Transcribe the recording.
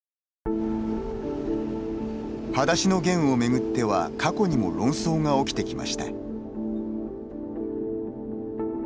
「はだしのゲン」を巡っては過去にも論争が起きてきました。